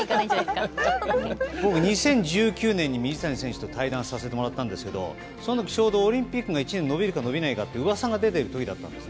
僕、２０１９年に水谷選手と対談させてもらったんですけどその時ちょうどオリンピックが１年延びるか延びないかって噂が出てる時だったんです。